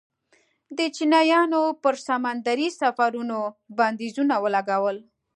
د چینایانو پر سمندري سفرونو بندیزونه ولګول.